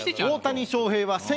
大谷翔平は。